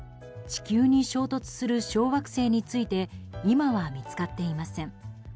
地球に衝突する小惑星について今は見つかっていません。